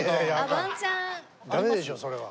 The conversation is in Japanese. ダメでしょそれは。